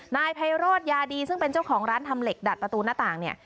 นายไพโรธยาดีซึ่งเป็นเจ้าของร้านทำเหล็กดัดประตูหน้าต่างเนี่ย